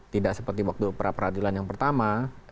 tidak seperti waktu pra peradilan yang pertama